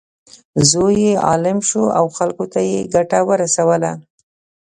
زوی یې عالم شو او خلکو ته یې ګټه ورسوله.